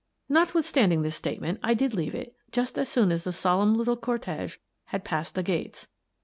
Notwithstanding this statement, I did leave it just as soon as the solemn little cortege had passed the gates.